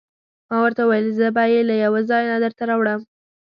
ما ورته وویل: زه به يې له یوه ځای نه درته راوړم.